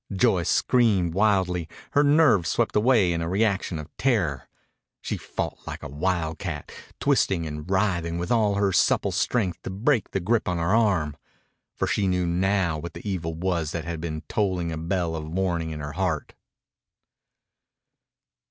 Joyce screamed wildly, her nerve swept away in a reaction of terror. She fought like a wildcat, twisting and writhing with all her supple strength to break the grip on her arm. For she knew now what the evil was that had been tolling a bell of warning in her heart.